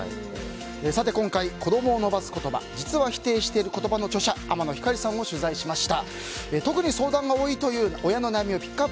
今回「子どもを伸ばす言葉実は否定している言葉」の著者天野ひかりさんを取材しました。